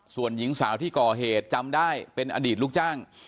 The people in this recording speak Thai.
ส่วนหญิงสาวที่ก่อเหตุจำได้เป็นอดีตลูกจ้าง